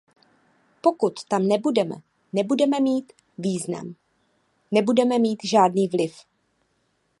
Pokud tam nebudeme, nebudeme mít význam, nebudeme mít žádný vliv.